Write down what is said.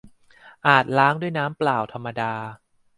อาจล้างด้วยน้ำเปล่าธรรมดา